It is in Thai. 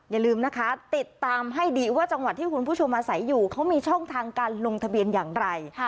อย่าลืมนะคะติดตามให้ดีว่าจังหวัดที่คุณผู้ชมอาศัยอยู่เขามีช่องทางการลงทะเบียนอย่างไร